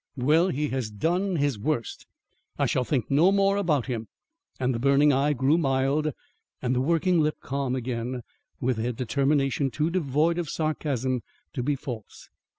Well, he has done his worst. I shall think no more about him." And the burning eye grew mild and the working lip calm again, with a determination too devoid of sarcasm to be false.